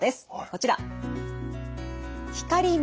こちら。